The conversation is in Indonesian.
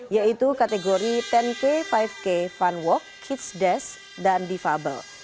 yaitu kategori sepuluh k lima k fun walk kids desk dan defable